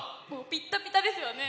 ピッタピタですよね。